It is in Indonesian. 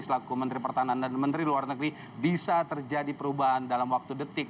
selaku menteri pertahanan dan menteri luar negeri bisa terjadi perubahan dalam waktu detik